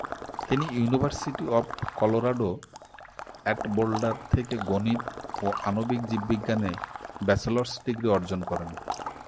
তিনি university of Colorado at Boulder থেকে গণিত ও আণবিক জীববিজ্ঞানে ব্যাচেলর্স ডিগ্রি অর্জন করেন।